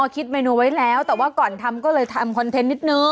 คิดเมนูไว้แล้วแต่ว่าก่อนทำก็เลยทำคอนเทนต์นิดนึง